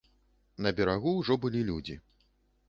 На берагу ўжо былі людзі.